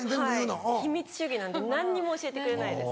はい秘密主義なんで何にも教えてくれないです。